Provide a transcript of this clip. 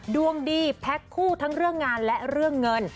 ดวงดีแพ็คคู่ทั้งเรื่องงานและเรื่องเงิน